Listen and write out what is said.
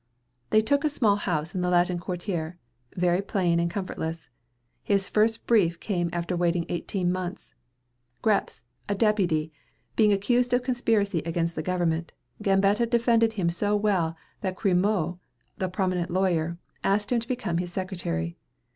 They took a small house in the Latin Quartier, very plain and comfortless. His first brief came after waiting eighteen months! Grepps, a deputy, being accused of conspiracy against the Government, Gambetta defended him so well that Crémieux, a prominent lawyer, asked him to become his secretary.